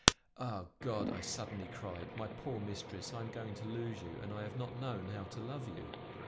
"Ah! God!" I suddenly cried, "my poor mistress, I am going to lose you and I have not known how to love you!"